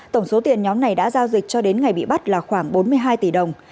tổng số tiền nhóm này đã giao dịch cho đến ngày bị bắt là khoảng bốn mươi hai tỷ đồng